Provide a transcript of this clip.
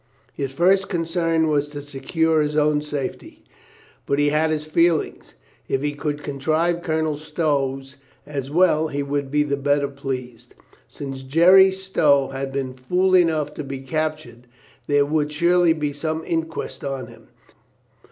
His first concern was to secure his own safety. But he had his feelings. If he could contrive Colonel Stow's as well, he would be the better pleased. Since Jerry Stow had been fool enough to be captured, there would surely be some inquest on him.